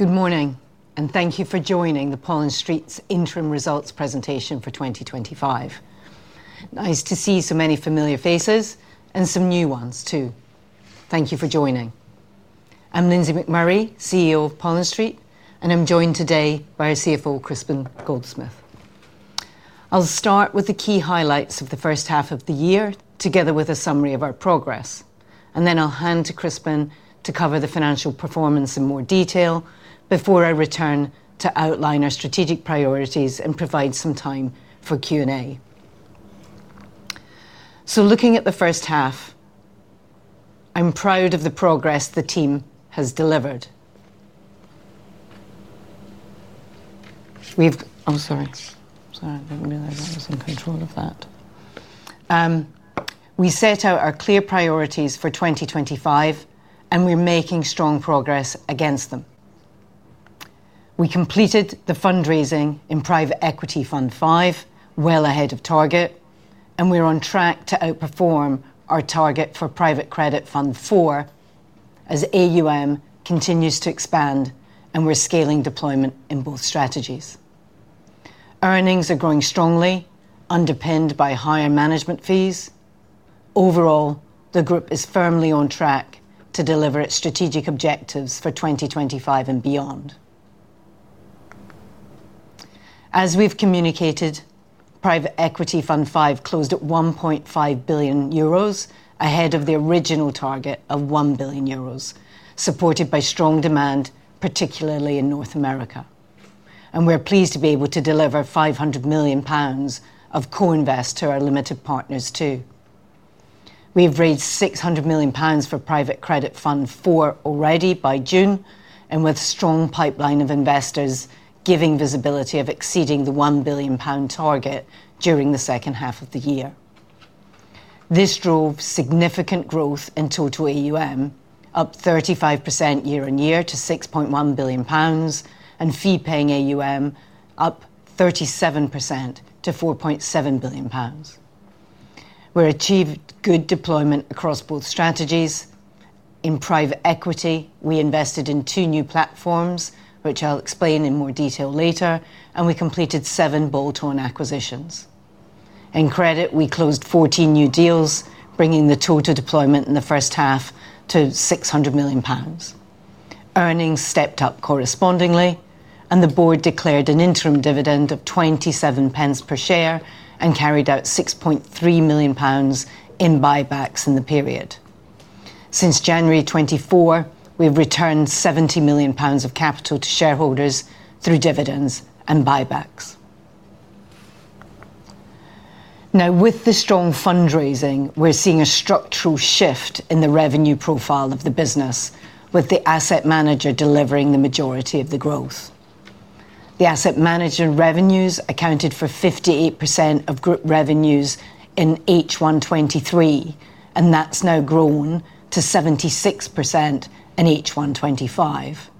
Good morning, and thank you for joining the Pollen Street's interim results presentation for 2025. Nice to see so many familiar faces and some new ones too. Thank you for joining. I'm Lindsey McMurray, CEO of Pollen Street, and I'm joined today by our CFO, Crispin Goldsmith. I'll start with the key highlights of the first half of the year, together with a summary of our progress. Then I'll hand to Crispin to cover the financial performance in more detail before I return to outline our strategic priorities and provide some time for Q&A. Looking at the first half, I'm proud of the progress the team has delivered. We set out our clear priorities for 2025, and we're making strong progress against them. We completed the fundraising in Private Equity Fund V well ahead of target, and we're on track to outperform our target for Private Credit Fund IV as AUM continues to expand, and we're scaling deployment in both strategies. Earnings are growing strongly, underpinned by higher management fees. Overall, the group is firmly on track to deliver its strategic objectives for 2025 and beyond. As we've communicated, Private Equity Fund V closed at €1.5 billion, ahead of the original target of €1 billion, supported by strong demand, particularly in North America. We're pleased to be able to deliver £500 million of co-invest to our limited partners too. We've raised £600 million for Private Credit Fund IV already by June, with a strong pipeline of investors giving visibility of exceeding the £1 billion target during the second half of the year. This drove significant growth in total AUM, up 35% year on year to £6.1 billion, and fee-paying AUM up 37% to £4.7 billion. We've achieved good deployment across both strategies. In private equity, we invested in two new platforms, which I'll explain in more detail later, and we completed seven bolt-on acquisitions. In credit, we closed 14 new deals, bringing the total deployment in the first half to £600 million. Earnings stepped up correspondingly, and the board declared an interim dividend of £0.27 per share and carried out £6.3 million in buybacks in the period. Since January 2024, we've returned £70 million of capital to shareholders through dividends and buybacks. Now, with the strong fundraising, we're seeing a structural shift in the revenue profile of the business, with the asset manager delivering the majority of the growth. The asset manager revenues accounted for 58% of group revenues in H1 2023, and that's now grown to 76% in H1 2025.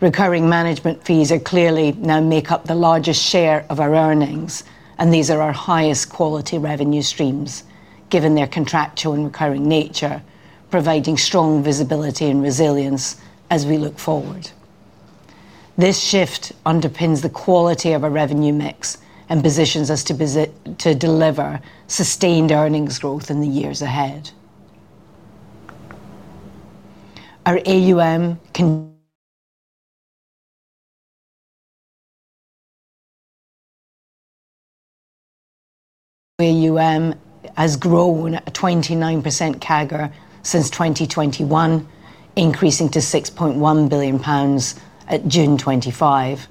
Recurring management fees clearly now make up the largest share of our earnings, and these are our highest quality revenue streams, given their contractual and recurring nature, providing strong visibility and resilience as we look forward. This shift underpins the quality of our revenue mix and positions us to deliver sustained earnings growth in the years ahead. Our AUM has grown at 29% CAGR since 2021, increasing to £6.1 billion at June 2025.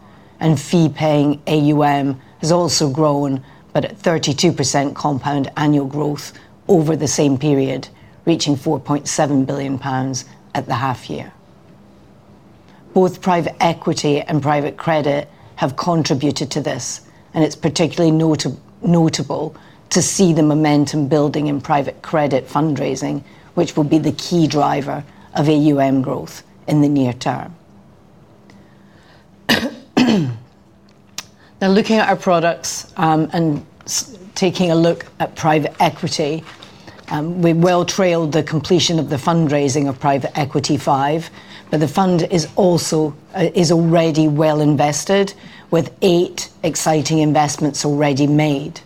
Fee-paying AUM has also grown at 32% compound annual growth over the same period, reaching £4.7 billion at the half-year. Both private equity and private credit have contributed to this, and it's particularly notable to see the momentum building in private credit fundraising, which will be the key driver of AUM growth in the near term. Now, looking at our products and taking a look at private equity, we've well trailed the completion of the fundraising of Private Equity Fund V, but the fund is also already well invested, with eight exciting investments already made.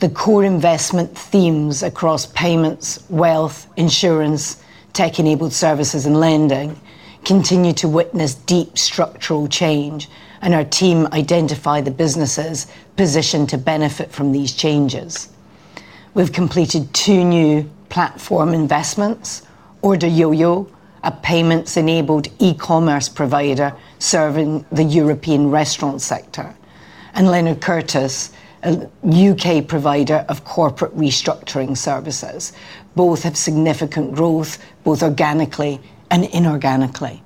The core investment themes across payments, wealth, insurance, tech-enabled services, and lending continue to witness deep structural change, and our team identifies the businesses positioned to benefit from these changes. We've completed two new platform investments: OrderYoyo, a payments-enabled e-commerce provider serving the European restaurant sector, and Leno Curtis, a UK provider of corporate restructuring services. Both have significant growth, both organically and inorganically.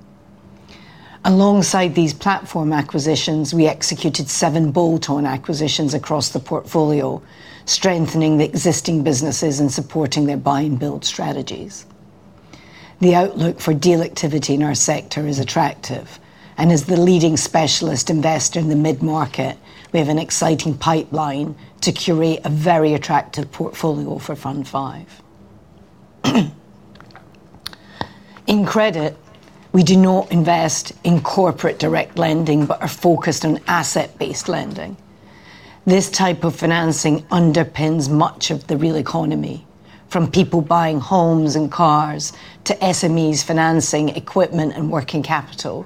Alongside these platform acquisitions, we executed seven bolt-on acquisitions across the portfolio, strengthening the existing businesses and supporting their buy and build strategies. The outlook for deal activity in our sector is attractive, and as the leading specialist investor in the mid-market, we have an exciting pipeline to curate a very attractive portfolio for Fund V. In credit, we do not invest in corporate direct lending but are focused on asset-based lending. This type of financing underpins much of the real economy, from people buying homes and cars to SMEs financing equipment and working capital,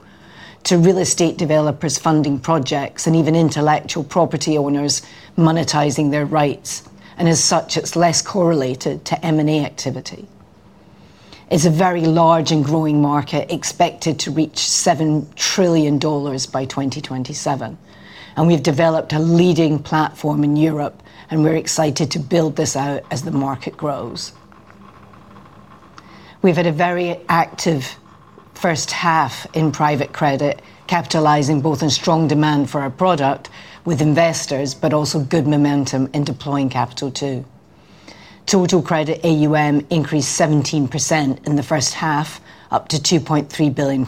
to real estate developers funding projects and even intellectual property owners monetizing their rights. As such, it's less correlated to M&A activity. It's a very large and growing market expected to reach $7 trillion by 2027. We've developed a leading platform in Europe, and we're excited to build this out as the market grows. We've had a very active first half in private credit, capitalizing both on strong demand for our product with investors, but also good momentum in deploying capital too. Total credit AUM increased 17% in the first half, up to £2.3 billion,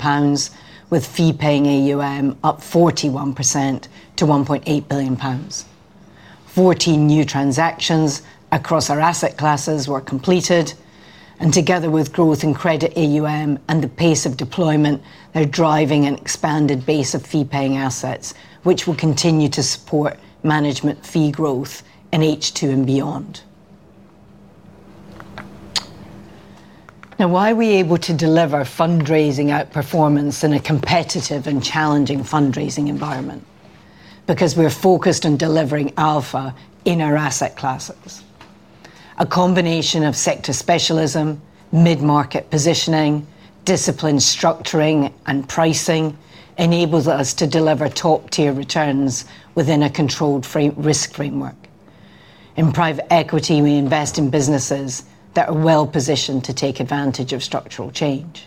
with fee-paying AUM up 41% to £1.8 billion. Fourteen new transactions across our asset classes were completed, and together with growth in credit AUM and the pace of deployment, they're driving an expanded base of fee-paying assets, which will continue to support management fee growth in H2 and beyond. Now, why are we able to deliver fundraising outperformance in a competitive and challenging fundraising environment? Because we're focused on delivering alpha in our asset classes. A combination of sector specialism, mid-market positioning, disciplined structuring, and pricing enables us to deliver top-tier returns within a controlled risk framework. In private equity, we invest in businesses that are well positioned to take advantage of structural change.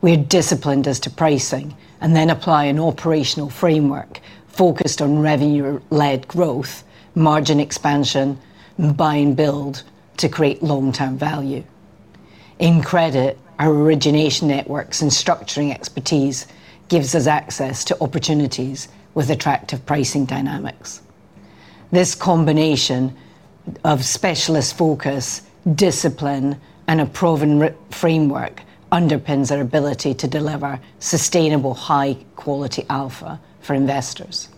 We're disciplined as to pricing and then apply an operational framework focused on revenue-led growth, margin expansion, and buy and build to create long-term value. In credit, our origination networks and structuring expertise give us access to opportunities with attractive pricing dynamics. This combination of specialist focus, discipline, and a proven framework underpins our ability to deliver sustainable, high-quality alpha for investors.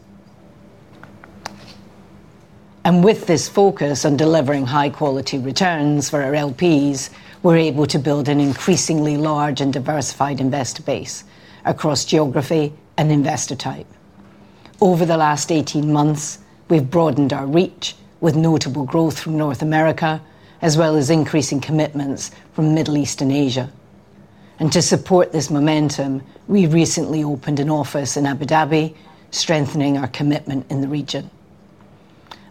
With this focus on delivering high-quality returns for our LPs, we're able to build an increasingly large and diversified investor base across geography and investor type. Over the last 18 months, we've broadened our reach with notable growth from North America, as well as increasing commitments from Middle East and Asia. To support this momentum, we recently opened an office in Abu Dhabi, strengthening our commitment in the region.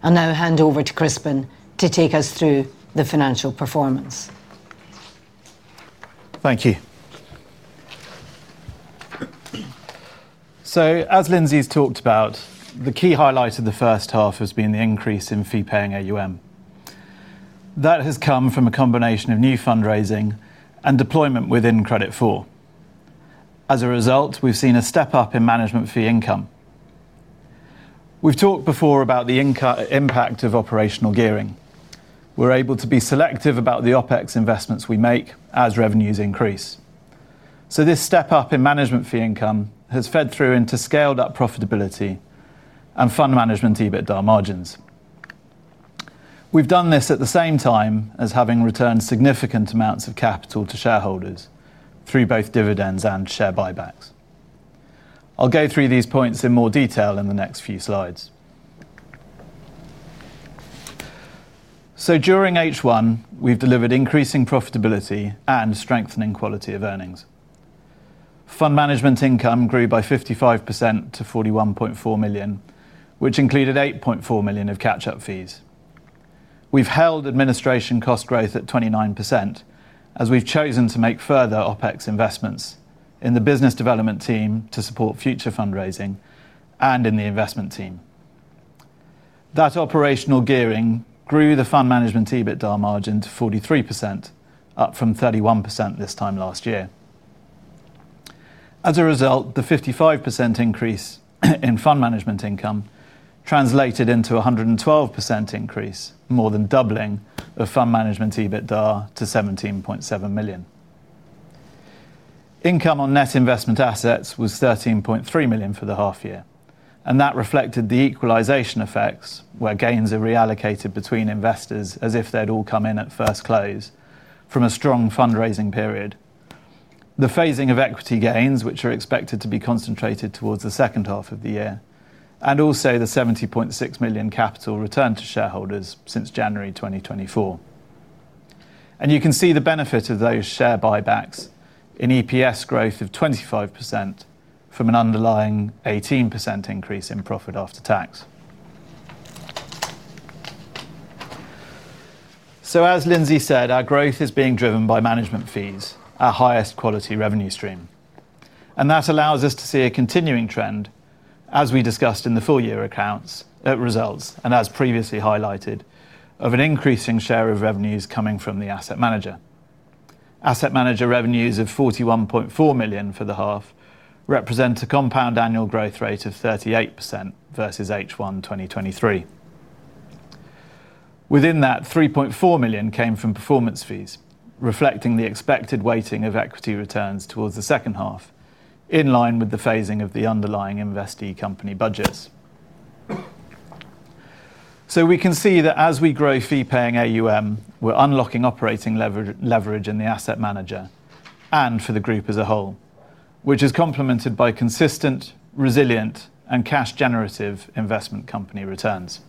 I'll now hand over to Crispin to take us through the financial performance. Thank you. As Lindsey's talked about, the key highlight of the first half has been the increase in fee-paying AUM. That has come from a combination of new fundraising and deployment within Credit Fund IV. As a result, we've seen a step up in management fee income. We've talked before about the impact of operational gearing. We're able to be selective about the OpEx investments we make as revenues increase. This step up in management fee income has fed through into scaled-up profitability and fund management EBITDA margins. We've done this at the same time as having returned significant amounts of capital to shareholders through both dividends and share buybacks. I'll go through these points in more detail in the next few slides. During H1, we've delivered increasing profitability and strengthening quality of earnings. Fund management income grew by 55% to £41.4 million, which included £8.4 million of catch-up fees. We've held administration cost growth at 29%, as we've chosen to make further OpEx investments in the business development team to support future fundraising and in the investment team. That operational gearing grew the fund management EBITDA margin to 43%, up from 31% this time last year. The 55% increase in fund management income translated into a 112% increase, more than doubling of fund management EBITDA to £17.7 million. Income on net investment assets was £13.3 million for the half year, and that reflected the equalization effects, where gains are reallocated between investors as if they'd all come in at first close from a strong fundraising period. The phasing of equity gains, which are expected to be concentrated towards the second half of the year, and also the £70.6 million capital return to shareholders since January 2024. You can see the benefit of those share buybacks in EPS growth of 25% from an underlying 18% increase in profit after tax. As Lindsey said, our growth is being driven by management fees, our highest quality revenue stream. That allows us to see a continuing trend, as we discussed in the full year accounts, that results, and as previously highlighted, of an increasing share of revenues coming from the asset manager. Asset manager revenues of £41.4 million for the half represent a compound annual growth rate of 38% versus H1 2023. Within that, £3.4 million came from performance fees, reflecting the expected weighting of equity returns towards the second half, in line with the phasing of the underlying investee company budgets. We can see that as we grow fee-paying AUM, we're unlocking operating leverage in the asset manager and for the group as a whole, which is complemented by consistent, resilient, and cash-generative investment company returns.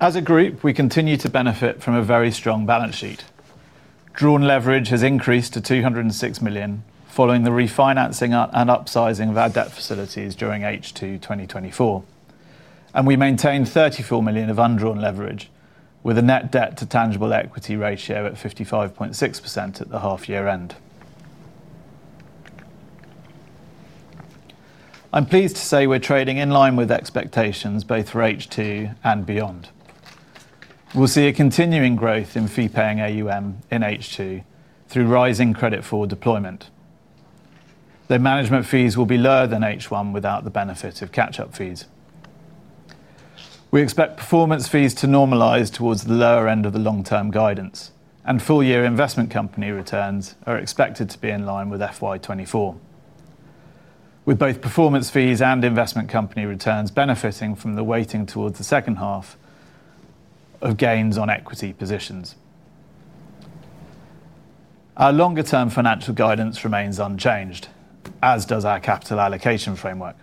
As a group, we continue to benefit from a very strong balance sheet. Drawn leverage has increased to £206 million following the refinancing and upsizing of our debt facilities during H2 2024. We maintain £34 million of undrawn leverage, with a net debt to tangible equity ratio at 55.6% at the half-year end. I'm pleased to say we're trading in line with expectations both for H2 and beyond. We'll see a continuing growth in fee-paying AUM in H2 through rising credit for deployment. The management fees will be lower than H1 without the benefit of catch-up fees. We expect performance fees to normalize towards the lower end of the long-term guidance, and full-year investment company returns are expected to be in line with FY24, with both performance fees and investment company returns benefiting from the weighting towards the second half of gains on equity positions. Our longer-term financial guidance remains unchanged, as does our capital allocation framework.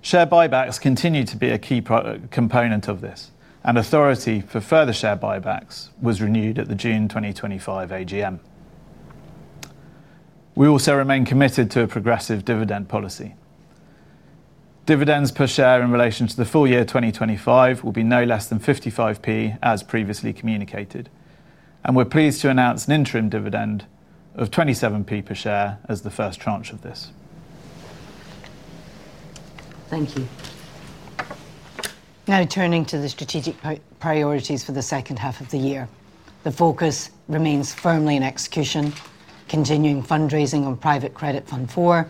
Share buybacks continue to be a key component of this, and authority for further share buybacks was renewed at the June 2025 AGM. We also remain committed to a progressive dividend policy. Dividends per share in relation to the full year 2025 will be no less than 55p as previously communicated, and we're pleased to announce an interim dividend of 27p per share as the first tranche of this. Thank you. Now, turning to the strategic priorities for the second half of the year, the focus remains firmly in execution, continuing fundraising on Private Credit Fund IV,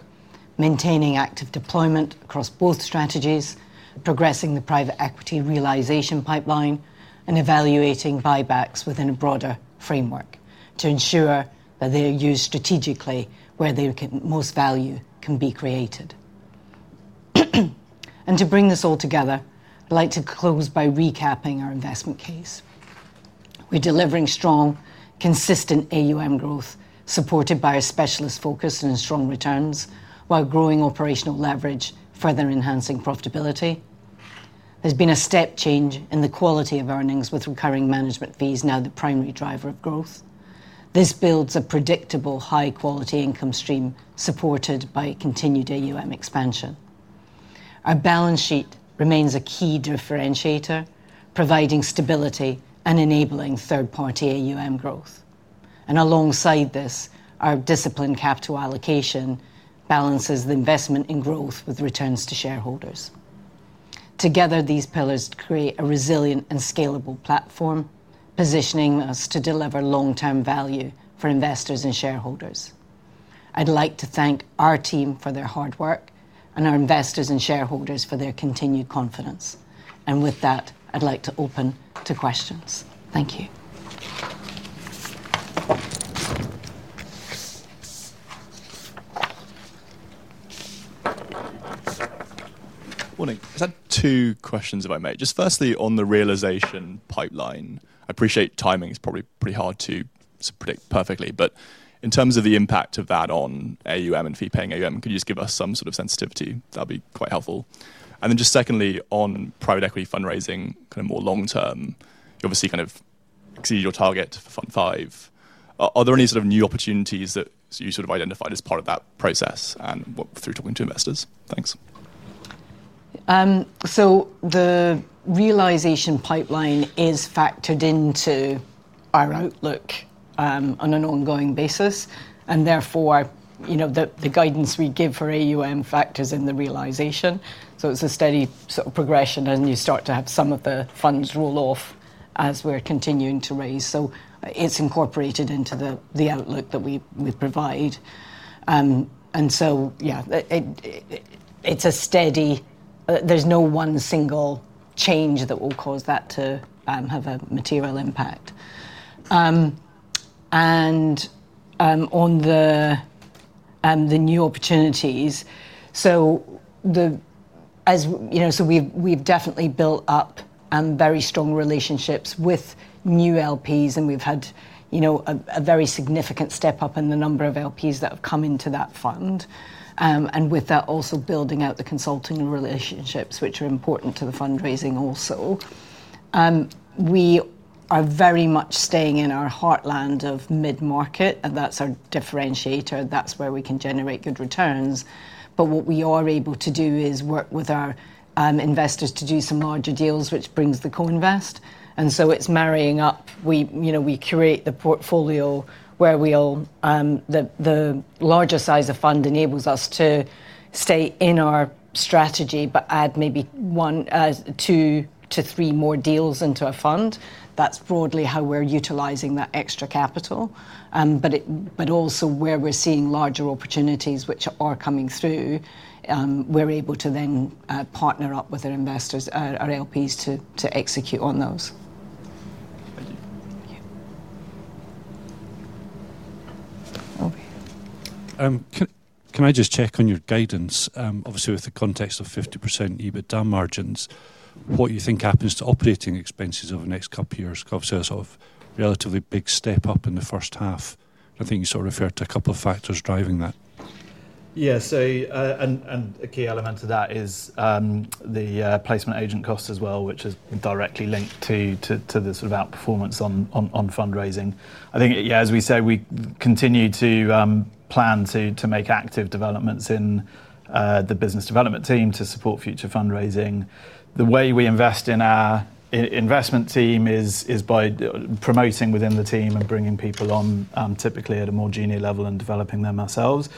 maintaining active deployment across both strategies, progressing the private equity realization pipeline, and evaluating buybacks within a broader framework to ensure that they are used strategically where the most value can be created. To bring this all together, I'd like to close by recapping our investment case. We're delivering strong, consistent AUM growth supported by a specialist focus and strong returns, while growing operational leverage, further enhancing profitability. There's been a step change in the quality of earnings with recurring management fees now the primary driver of growth. This builds a predictable, high-quality income stream supported by continued AUM expansion. Our balance sheet remains a key differentiator, providing stability and enabling third-party AUM growth. Alongside this, our disciplined capital allocation balances the investment in growth with returns to shareholders. Together, these pillars create a resilient and scalable platform, positioning us to deliver long-term value for investors and shareholders. I'd like to thank our team for their hard work and our investors and shareholders for their continued confidence. With that, I'd like to open to questions. Thank you. Morning. I just had two questions if I may. Firstly, on the realization pipeline, I appreciate timing is probably pretty hard to predict perfectly, but in terms of the impact of that on AUM and fee-paying AUM, could you just give us some sort of sensitivity? That'd be quite helpful. Secondly, on private equity fundraising, kind of more long term, you obviously kind of exceeded your target for Fund V. Are there any sort of new opportunities that you sort of identified as part of that process and through talking to investors? Thanks. The realization pipeline is factored into our outlook on an ongoing basis, and therefore, the guidance we give for AUM factors in the realization. It's a steady sort of progression as you start to have some of the funds roll off as we're continuing to raise. It's incorporated into the outlook that we provide. It's a steady process; there's no one single change that will cause that to have a material impact. On the new opportunities, we've definitely built up very strong relationships with new LPs, and we've had a very significant step up in the number of LPs that have come into that fund. With that, also building out the consulting relationships, which are important to the fundraising also. We are very much staying in our heartland of mid-market, and that's our differentiator. That's where we can generate good returns. What we are able to do is work with our investors to do some larger deals, which brings the co-invest. It's marrying up. We create the portfolio where the larger size of fund enables us to stay in our strategy, but add maybe one, two to three more deals into a fund. That's broadly how we're utilizing that extra capital. Where we're seeing larger opportunities, which are coming through, we're able to then partner up with our investors, our LPs, to execute on those. Can I just check on your guidance? Obviously, with the context of 50% EBITDA margins, what do you think happens to operating expenses over the next couple of years? Because obviously, that's a relatively big step up in the first half. I think you sort of referred to a couple of factors driving that. Yeah, so a key element of that is the placement agent costs as well, which is directly linked to the sort of outperformance on fundraising. I think, yeah, as we say, we continue to plan to make active developments in the business development team to support future fundraising. The way we invest in our investment team is by promoting within the team and bringing people on typically at a more junior level and developing them ourselves.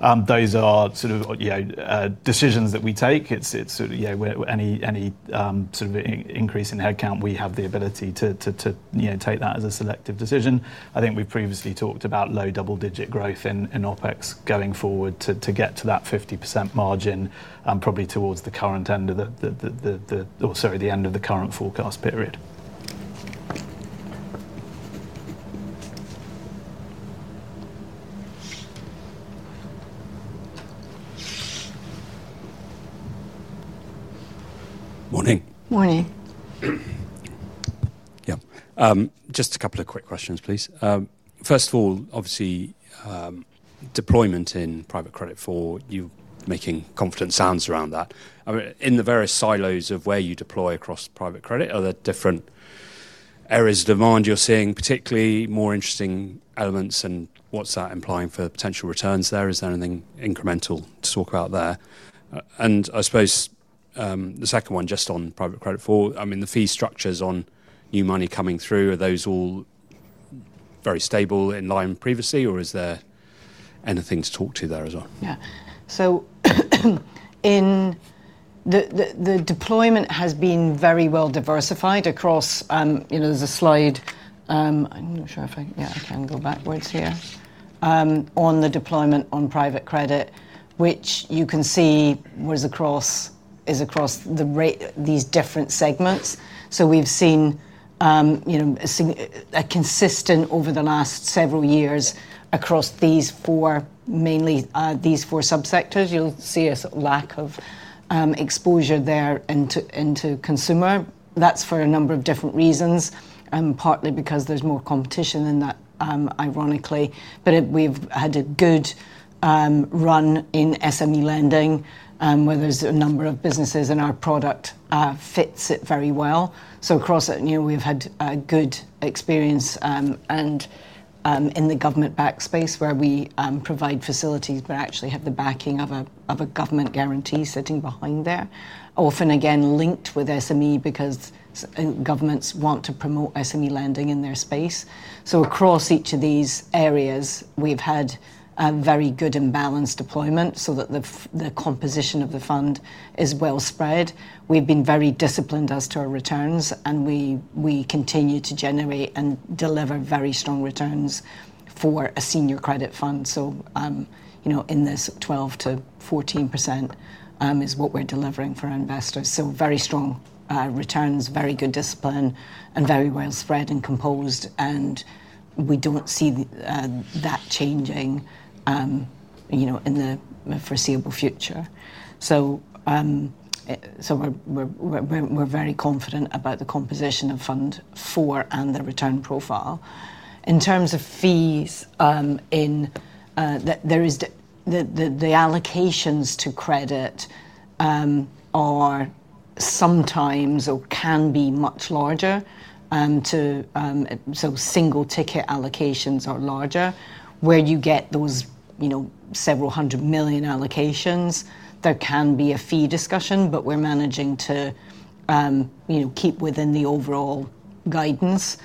Those are sort of, you know, decisions that we take. It's sort of, you know, any sort of increase in headcount, we have the ability to take that as a selective decision. I think we've previously talked about low double-digit growth in OpEx going forward to get to that 50% margin, probably towards the end of the current forecast period. Morning. Morning. Yeah, just a couple of quick questions, please. First of all, obviously, deployment in private credit for you're making confident sounds around that. In the various silos of where you deploy across private credit, are there different areas of demand you're seeing particularly more interesting elements? What's that implying for potential returns there? Is there anything incremental to talk about there? I suppose the second one, just on private credit for, I mean, the fee structures on new money coming through, are those all very stable in line previously, or is there anything to talk to there as well? Yeah, so the deployment has been very well diversified across, you know, there's a slide, I'm not sure if I, yeah, I can go backwards here, on the deployment on private credit, which you can see was across, is across the rate, these different segments. We've seen a consistent over the last several years across these four, mainly these four subsectors, you'll see a lack of exposure there into consumer. That's for a number of different reasons, partly because there's more competition than that, ironically. We've had a good run in SME lending, where there's a number of businesses and our product fits it very well. Across it, we've had a good experience in the government back space where we provide facilities, but actually have the backing of a government guarantee sitting behind there. Often again, linked with SME because governments want to promote SME lending in their space. Across each of these areas, we've had very good and balanced deployment so that the composition of the fund is well spread. We've been very disciplined as to our returns, and we continue to generate and deliver very strong returns for a senior credit fund. In this 12% to 14% is what we're delivering for our investors. Very strong returns, very good discipline, and very well spread and composed. We don't see that changing in the foreseeable future. We're very confident about the composition of fund four and the return profile. In terms of fees, the allocations to credit are sometimes, or can be much larger. Single ticket allocations are larger. Where you get those several hundred million allocations, there can be a fee discussion, but we're managing to keep within the overall guidance.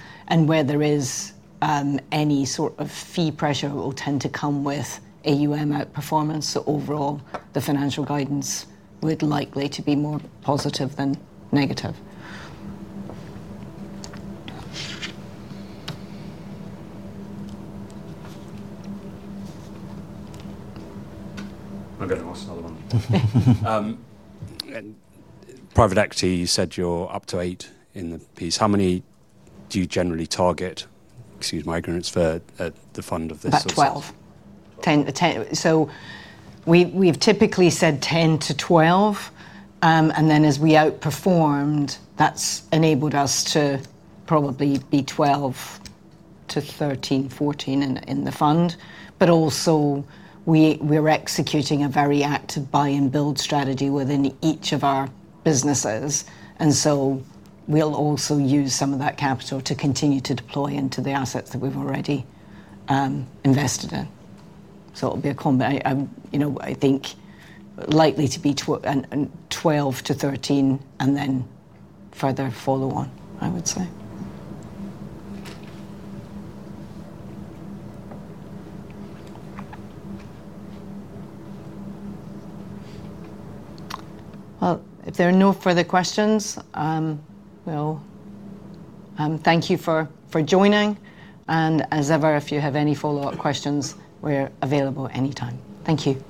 Where there is any sort of fee pressure, it will tend to come with AUM outperformance. Overall, the financial guidance would likely be more positive than negative. I'll get a hostile one. Private equity, you said you're up to eight in the piece. How many do you generally target? Excuse my ignorance for the fund of this. That's 12. We've typically said 10-12. As we outperformed, that's enabled us to probably be 12-13, 14 in the fund. We're executing a very active buy and build strategy within each of our businesses, and we'll also use some of that capital to continue to deploy into the assets that we've already invested in. It'll be a combo. I think likely to be 12-13 and then further follow on, I would say. If there are no further questions, thank you for joining. As ever, if you have any follow-up questions, we're available anytime. Thank you.